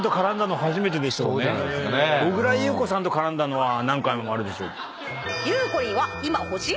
小倉優子さんと絡んだのは何回もあるでしょ。